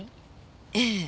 ええ。